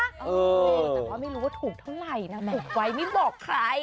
เออแต่ว่าไม่รู้ว่าถูกเท่าไหร่นะถูกไว้ไม่บอกใคร